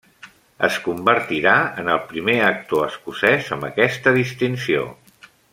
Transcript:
Es convertirà en el primer actor escocès amb aquesta distinció.